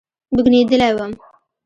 بوږنېدلى وم.